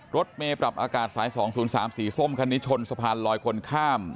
รถเมย์ปรับอากาศสาย๒๐๓สีส้มคันนี้ชนสะพานลอยคนข้าม